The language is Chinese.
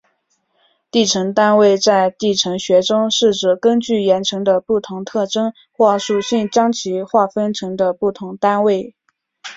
地层单位在地层学中是指根据岩层的不同特征或属性将其划分成的不同单位。